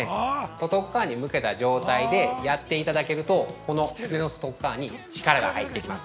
外っかわに向けた状態でやっていただけるとこのすねの外っかわに力が入ってきます。